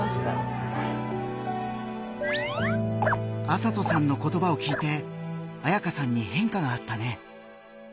麻斗さんの言葉を聞いてあやかさんに変化があったね。